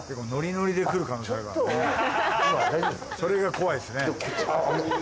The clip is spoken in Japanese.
それが怖いっすね。